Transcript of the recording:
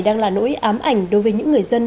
đang là nỗi ám ảnh đối với những người dân